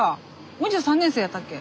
お兄ちゃん３年生やったっけ？